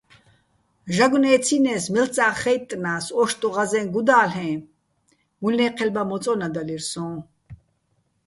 ჟაგნო̆ ე́ცინეს, მელ'წა́ხ ხაჲტტნა́ს, ო́შტუჼ ღაზეჼ გუდა́ლ'ე, მუჲლნე́ჴელბა მოწო́ნადალირ სოჼ.